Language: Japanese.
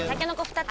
２つ！